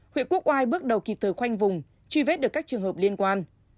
huyện quốc oai bước đầu kịp thời khoanh vùng truy vết được các trường hợp liên quan